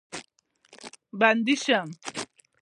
بندي شم.